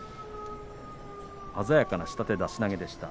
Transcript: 鮮やかな下手出し投げでした。